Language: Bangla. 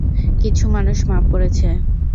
কিছু মানুষ মাফ করেছে।